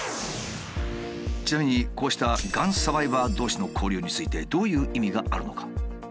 ちなみにこうしたがんサバイバー同士の交流についてどういう意味があるのか。